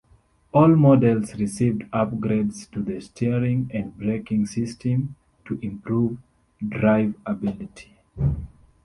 All models received upgrades to the steering and braking systems to improve driveability.